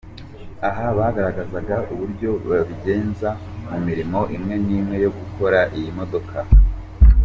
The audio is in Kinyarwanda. Aha bagaragazaga uburyo babigenza mu mirimo imwe n'imwe yo gukora iyi modoka .